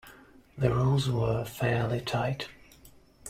The rules were fairly tight.